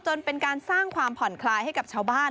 จนเป็นการสร้างความผ่อนคลายให้กับชาวบ้าน